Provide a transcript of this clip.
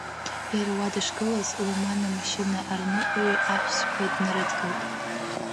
Иара уа дышгылаз Луман амашьына арныҟәаҩи аҳәсақәеи днарыдгылт.